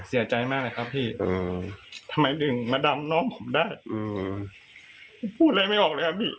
เสียใจมากเลยครับพี่อืมทำไมถึงมาดำน้องผมได้อืมพูดอะไรไม่ออกเลยครับพี่